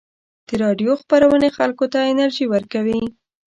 د راډیو خپرونې خلکو ته انرژي ورکوي.